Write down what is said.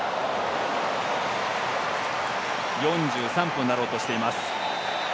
４３分になろうとしています。